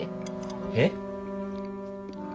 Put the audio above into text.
えっ。